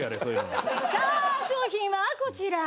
さあ商品はこちら。